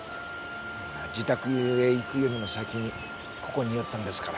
自宅へ行くよりも先にここに寄ったんですから。